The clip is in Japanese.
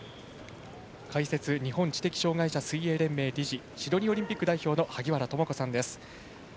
解説日本知的障害者水泳連盟理事シドニーオリンピック代表の萩原智子さんです。